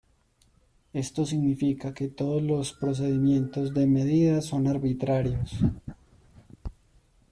Esto significa que todos los procedimientos de medida son arbitrarios.